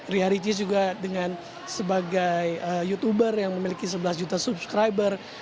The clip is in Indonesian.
ria rici juga dengan sebagai youtuber yang memiliki sebelas juta subscriber